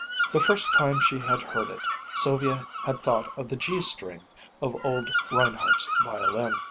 The first time she had heard it, Sylvia had thought of the G string of old Reinhardt's violin.